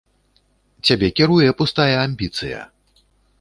Цябе кіруе пустая амбіцыя.